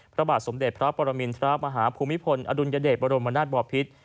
พระบาทสมเด็จพระปรมินทรมาฮภูมิพลอดุลยเดชบรมนาศบอพิษ